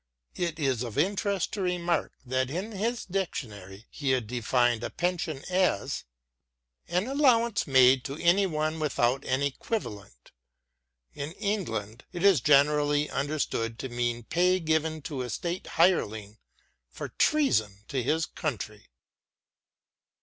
It is of interest to remark that in his Dictionary he had defined a pension as An allowance made to any one without an equivalent. In England it is generally understood to mean pay given to a state hireling for treason to his country.